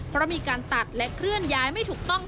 เพราะมีการตัดและเคลื่อนย้ายไม่ถูกต้อง